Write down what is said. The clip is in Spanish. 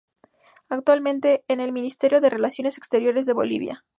Actualmente es el Ministro de Relaciones Exteriores de Bolivia.